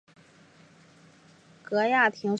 戈亚廷斯是巴西托坎廷斯州的一个市镇。